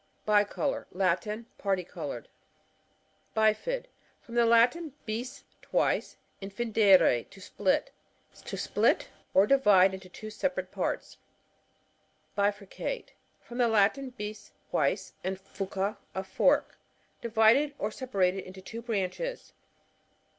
BicoLOR. — Latin. Particoloured. Bifid. — From the Latin, 6tjt, twice, and Jindere, to split. Split or di vided into two separate parts. Bifurcate — From the Latin, few, twice, and furca^ a fork. Divided or separated into two branches.